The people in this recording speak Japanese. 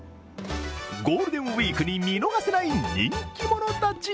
ゴールデンウイークに見逃せない人気者たち。